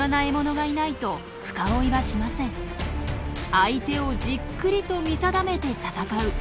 相手をじっくりと見定めて戦う。